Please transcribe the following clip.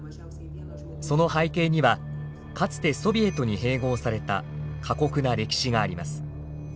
その背景にはかつてソビエトに併合された過酷な歴史があります。